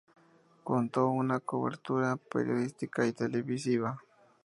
Contó con una cobertura periodística y televisiva.